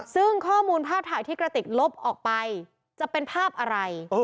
ซึ่งข้อมูลภาพถ่ายที่กระติกลบออกไปจะเป็นภาพอะไร